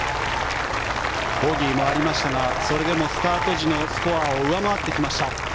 ボギーもありましたが、それでもスタート時のスコアを上回ってきました。